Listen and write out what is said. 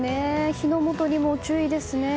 火の元にも注意ですね。